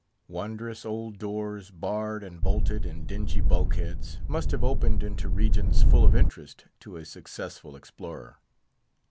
Wondrous old doors, barred and bolted in dingy bulkheads, must have opened into regions full of interest to a successful explorer.